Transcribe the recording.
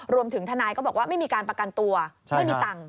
ทนายก็บอกว่าไม่มีการประกันตัวไม่มีตังค์